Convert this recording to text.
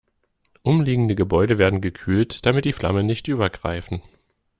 Umliegende Gebäude werden gekühlt, damit die Flammen nicht übergreifen.